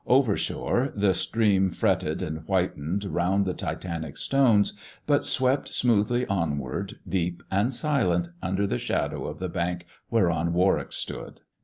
Overshore the stream fretted and whitened round the Titanic stones, but swept smoothly onward, deep and silent, under the shadow of the bank whereon Warwick stood.